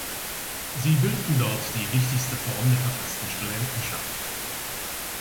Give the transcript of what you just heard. Sie bildeten dort die wichtigste Form der verfassten Studentenschaft.